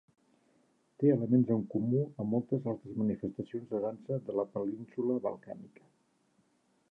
Té elements en comú amb moltes altres manifestacions de dansa de la Península Balcànica.